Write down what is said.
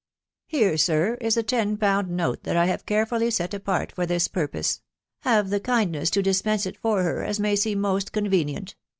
'Here, sir, is a ten pound note that I have carefully set apart for this purpose ; have the 'kindness to dispense it for her us may seem most convenient.